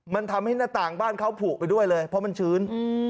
มันทำให้หน้าต่างบ้านเขาผูกไปด้วยเลยเพราะมันชื้น